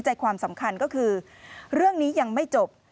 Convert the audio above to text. ใจความสำคัญก็คือเรื่องนี้ยังไม่จบ